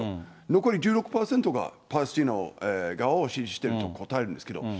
残り１６％がパレスチナ側を支持していると答えるんですけれども。